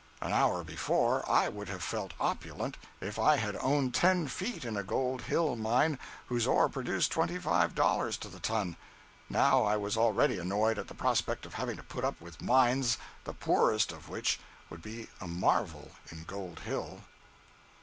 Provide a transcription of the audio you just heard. An hour before, I would have felt opulent if I had owned ten feet in a Gold Hill mine whose ore produced twenty five dollars to the ton; now I was already annoyed at the prospect of having to put up with mines the poorest of which would be a marvel in Gold Hill.